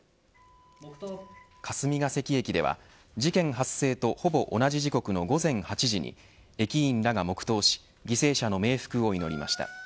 霞ケ関駅では事件発生とほぼ同じ時刻の午前８時に駅員らが黙とうし犠牲者の冥福を祈りました。